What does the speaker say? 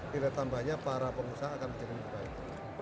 tidak tambahnya para pengusaha akan menjadi lebih baik